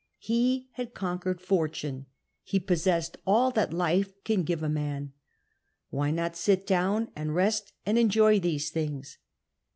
He had conquered fortune ; he possessed all that life can give a man. Why not sit down and rest and enjoy these things?